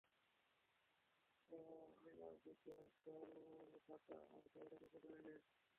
এবার আয়নার দিকে একবার তাকা আর গাড়িটাকে পেছনে নে।